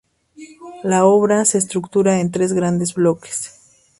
La obra se estructura en tres grandes bloques.